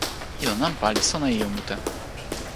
ilo nanpa li sona e ijo mute.